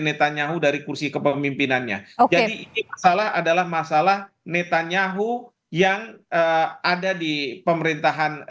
neta nyahu dari kursi kepemimpinannya jadi ini masalah adalah masalah netanyahu yang ada di pemerintahan